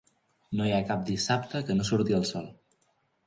No hi ha cap dissabte que no surti el sol.